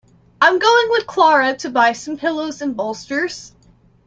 I'm going with Clara to buy some pillows and bolsters.